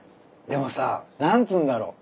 でもさ何つうんだろう。